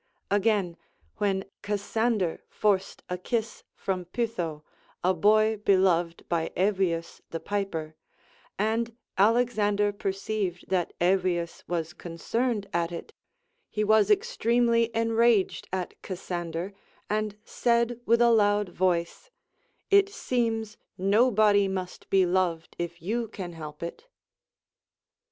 Again, when Cassander forced a kiss from Pytho, a boy beloved by Evius the piper, and Alex ander perceived that Evius was concerned at it, he was ex tremely enraged at Cassander, and said with a loud A^oice, It seems nobody must be loved if you can help it.